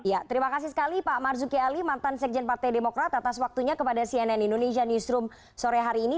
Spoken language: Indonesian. ya terima kasih sekali pak marzuki ali mantan sekjen partai demokrat atas waktunya kepada cnn indonesia newsroom sore hari ini